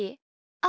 あ。